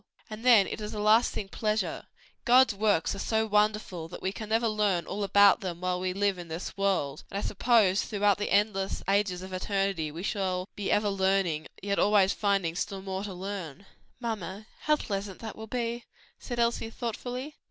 "And then it is a lasting pleasure. God's works are so wonderful that we can never learn all about them while we live in this world, and I suppose throughout the endless ages of eternity, we shall be ever learning, yet always finding still more to learn." "Mamma, how pleasant that will be," said Elsie thoughtfully.